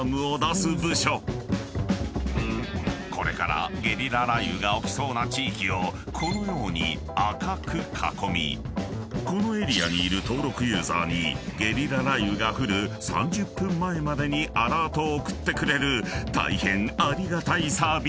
［これからゲリラ雷雨が起きそうな地域をこのように赤く囲みこのエリアにいる登録ユーザーにゲリラ雷雨が降る３０分前までにアラートを送ってくれる大変ありがたいサービス］